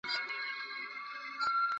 কিন্তু আমার কর্মের গতি অন্যরূপ।